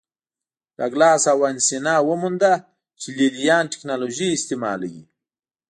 ډاګلاس او وانسینا ومونده چې لې لیان ټکنالوژي استعملوي